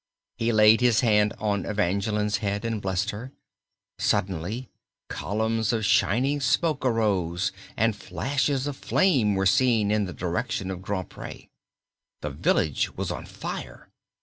He laid his hand on Evangeline's head and blessed her. Suddenly columns of shining smoke arose and flashes of flame were seen in the direction of Grand Pré. The village was on fire.